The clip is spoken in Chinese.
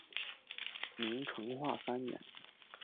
明成化三年。